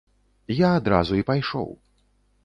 Я адразу і пайшоў.